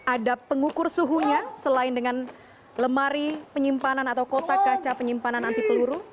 ada pengukur suhunya selain dengan lemari penyimpanan atau kotak kaca penyimpanan anti peluru